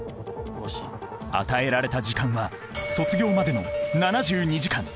与えられた時間は卒業までの７２時間。